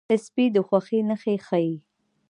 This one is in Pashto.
سپي د خوښۍ نښې ښيي.